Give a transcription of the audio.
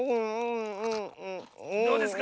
どうですか？